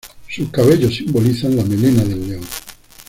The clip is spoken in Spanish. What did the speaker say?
Sus cabellos simbolizan la melena del león.